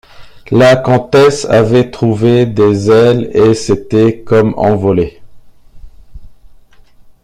La comtesse avait trouvé des ailes et s’était comme envolée.